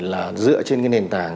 là dựa trên nền tảng